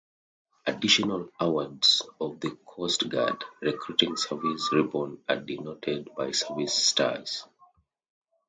Additional awards of the Coast Guard Recruiting Service Ribbon are denoted by service stars.